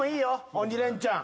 鬼レンチャン。